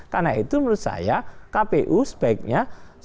karena itu menurut saya kpu sebaiknya